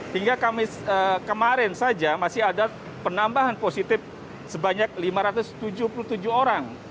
hingga kamis kemarin saja masih ada penambahan positif sebanyak lima ratus tujuh puluh tujuh orang